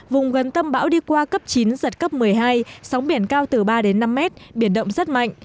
vùng gần tâm bão đi qua cấp chín giật cấp một mươi hai sóng biển cao từ ba đến năm mét biển động rất mạnh